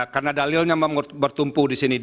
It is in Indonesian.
karena dalilnya bertumpu di sini